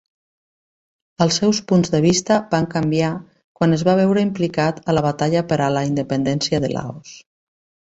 Els seus punts de vista van canviar quan es va veure implicat a la batalla per a la independència de Laos.